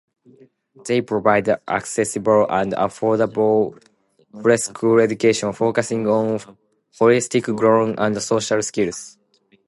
They provide accessible and affordable preschool education, focusing on holistic growth and social skills.